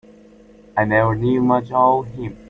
I never knew much of him.